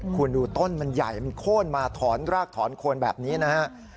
คุณดูต้นมันใหญ่มันโค้นมาถอนรากถอนโคนแบบนี้นะฮะ